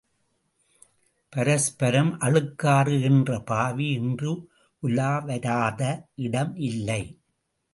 பரஸ்பரம் அழுக்காறு என்ற பாவி இன்று உலாவராத இடம் இல்லை!